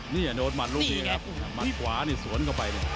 นี่เนี่ยโน้ตมันลูกดีครับมันกว้านี่สวนเข้าไป